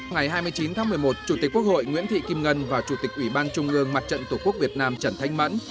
ngày hai mươi chín tháng một mươi một chủ tịch quốc hội nguyễn thị kim ngân và chủ tịch ủy ban trung ương mặt trận tổ quốc việt nam trần thanh mẫn